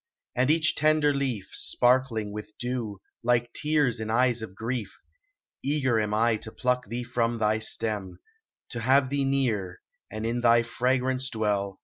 And each tender leaf, Sparkling with dew, like tears in eyes of grief ; Eager am I to pluck thee from thy stem, To have thee near, and in thy fragrance dwell.